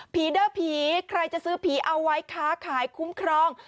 เด้อผีใครจะซื้อผีเอาไว้ค้าขายคุ้มครอง